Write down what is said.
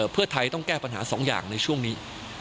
เพื่อไทยต้องแก้ปัญหา๒อย่างในช่วงนี้